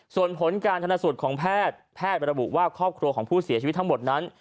ส่วนผลการทันสูตรของแพทย์แพทย์ระบุว่าครอบครัวของผู้เสียชีวิตทั้งหมดนั้น